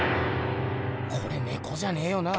これねこじゃねえよな？